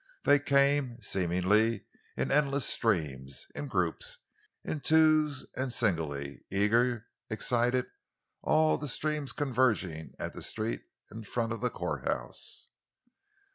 They came, seemingly, in endless streams, in groups, in twos and singly, eager, excited, all the streams converging at the street in front of the courthouse.